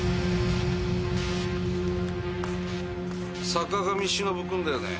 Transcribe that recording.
・坂上忍君だよね？